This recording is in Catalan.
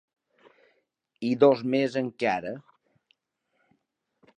I dos més encara.